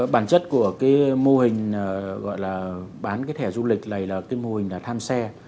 bản chất của mô hình bán thẻ du lịch này là mô hình tham xe